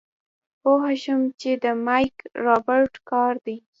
پوه شوم چې د مايک رابرټ کار دی.